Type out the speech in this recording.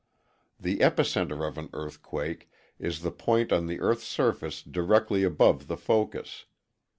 The epicenter of an earthquake is the point on the EarthŌĆÖs surface directly above the focus.